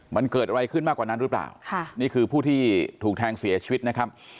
มันเกิดอะไรขึ้นมากกว่านั้นหรือเปล่าค่ะนี่คือผู้ที่ถูกแทงเสียชีวิตนะครับ